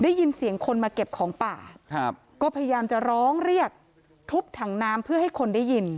ได้ยินเสียงคนมาเก็บของป่าครับก็พยายามจะร้องเรียกทุบถังน้ำเพื่อให้คนได้ยิน